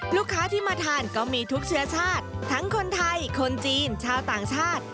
ลูกค้าที่มาทานก็มีทุกเชื้อชาติทั้งคนไทยคนจีนชาวต่างชาติ